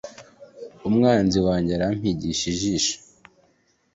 umwanzi wanjye arampigisha ijisho